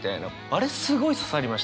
あれすごい刺さりました。